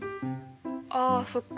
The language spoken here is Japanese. あそっか。